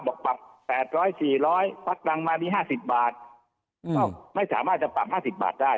บับปับ๘๐๐๔๐๐ปั๊กกระตังมามี๕๐บาทไม่สามารถจะปั๊บ๕๐บาทได้